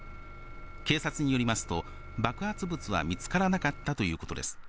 警察によりますと、爆発物は見つからなかったということです。